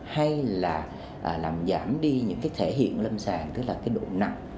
hay là làm giảm đi những cái thể hiện lâm sàng tức là cái độ nặng